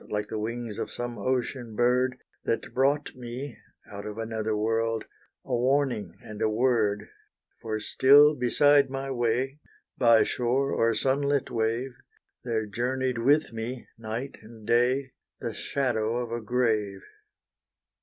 Like the wings of some ocean bird, That brought me, out of another world, A warning, and a word; For still beside my way, By shore or sunlit wave, There journeyed with me night and day, The shadow of a grave.